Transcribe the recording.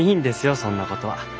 そんなことは。